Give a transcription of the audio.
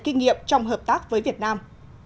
kinh nghiệm trong hợp tác với việt nam